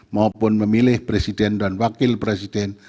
maupun memilih presiden dan wakil presiden